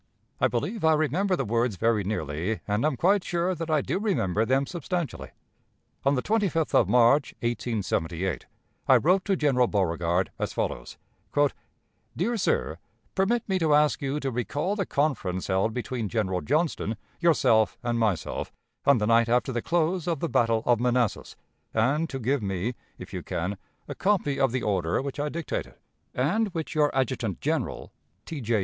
I believe I remember the words very nearly, and am quite sure that I do remember them substantially. On the 25th of March, 1878, I wrote to General Beauregard as follows: "Dear Sir: Permit me to ask you to recall the conference held between General Johnston, yourself, and myself, on the night after the close of the battle of Manassas; and to give me, if you can, a copy of the order which I dictated, and which your adjutant general, T. J.